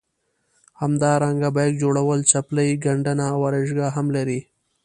همدارنګه بیک جوړول څپلۍ ګنډنه او ارایشګاه هم لري.